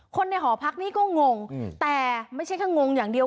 ในหอพักนี่ก็งงแต่ไม่ใช่แค่งงอย่างเดียว